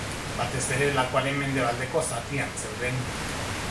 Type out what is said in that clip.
Batez ere lakuaren mendebaldeko zatian zeuden.